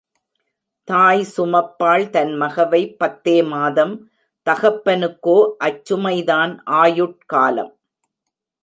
தாய் சுமப்பாள் தன் மகவை பத்தே மாதம் தகப்பனுக்கோ அச்சுமைதான் ஆயுட்காலம்!